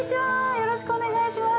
◆よろしくお願いします。